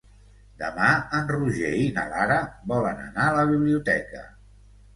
Demà en Roger i na Lara volen anar a la biblioteca.